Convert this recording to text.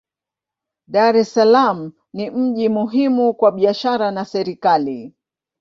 Dar es Salaam ni mji muhimu kwa biashara na serikali.